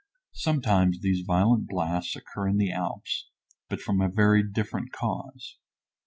Sometimes these violent blasts occur in the Alps, but from a very different cause.